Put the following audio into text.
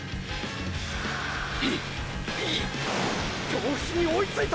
京伏に追いついた！！